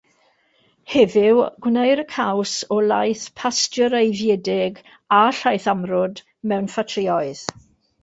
Heddiw, gwneir y caws o laeth pasteureiddiedig a llaeth amrwd mewn ffatrïoedd.